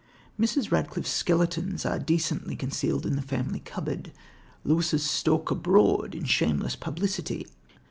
Mrs. Radcliffe's skeletons are decently concealed in the family cupboard, Lewis's stalk abroad in shameless publicity.